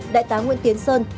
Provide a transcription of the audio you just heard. đại tá nguyễn tiến sơn